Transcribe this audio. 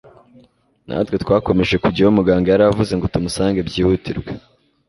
natwe twakomeje kujya aho muganga yari avuze ngo tumusange byihutirwa